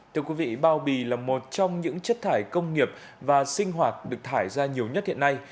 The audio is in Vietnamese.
thưa quý vị bao bì là một trong những chất thải công nghiệp và sinh hoạt được thải ra nhiều nhất hiện nay